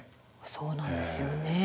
そうなんですよね。